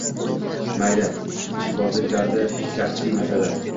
Mayli, ishqbozlik dardi shaxsiy masala».